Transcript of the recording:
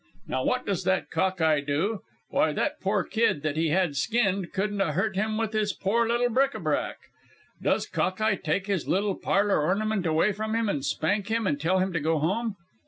Now what does that Cockeye do? Why, that pore kid that he had skinned couldn't 'a' hurt him with his pore little bric à brac. Does Cock eye take his little parlour ornament away from him, and spank him, and tell him to go home?